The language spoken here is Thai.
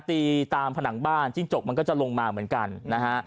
ตีตามผนังบ้านจิ้งจกมันก็จะลงมาเหมือนกันนะฮะ